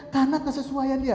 karena kesesuaian dia